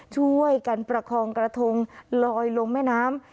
ช่วยกันประคองกระทงลอยลงแม่น้ำ